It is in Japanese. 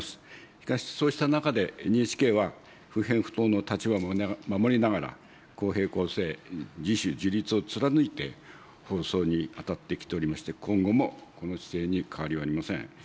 しかし、そうした中で、ＮＨＫは不偏不党の立場を守りながら、公平、公正、自主、自律を貫いて放送に当たってきておりまして、今後もその姿勢に変わりはありません。